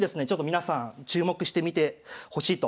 皆さん注目してみてほしいと思います。